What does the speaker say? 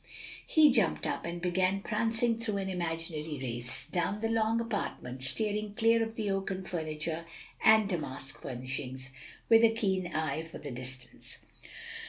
He jumped up, and began prancing through an imaginary race; down the long apartment, steering clear of the oaken furniture and damask furnishings, with a keen eye for the distance.